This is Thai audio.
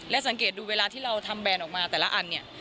สังเกตดูเวลาที่เราทำแบรนด์ออกมาแต่ละอันเนี่ย